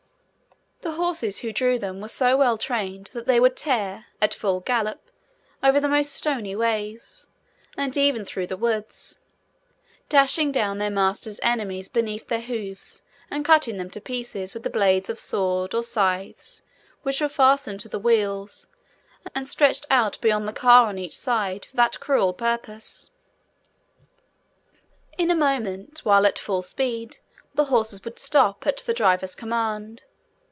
The horses who drew them were so well trained, that they would tear, at full gallop, over the most stony ways, and even through the woods; dashing down their masters' enemies beneath their hoofs, and cutting them to pieces with the blades of swords, or scythes, which were fastened to the wheels, and stretched out beyond the car on each side, for that cruel purpose. In a moment, while at full speed, the horses would stop, at the driver's command.